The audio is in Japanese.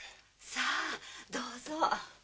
さぁどうぞ。